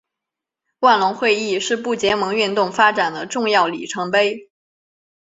万隆会议是不结盟运动发展的重要里程碑。